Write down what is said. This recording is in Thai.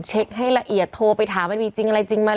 ให้ละเอียดโทรไปถามมันมีจริงอะไรจริงไหม